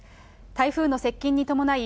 台風の接近に伴い、